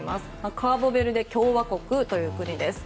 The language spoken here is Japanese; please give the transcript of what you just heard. カーボベルデ共和国という国です。